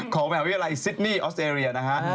ของมหาวิทยาลัยซิดนี่ออสเตรเลียนะฮะ